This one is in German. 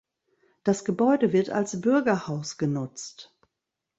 Das Gebäude wird als Bürgerhaus genutzt.